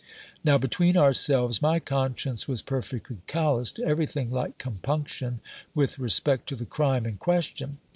Now, between ourselves, my conscience was perfectly callous to everything like compunction with respect to the crime in question.